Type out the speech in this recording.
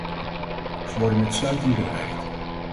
Ze worden met sluiting bedreigd.